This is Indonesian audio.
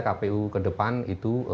kpu ke depan itu